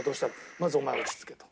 まずお前は落ち着けと。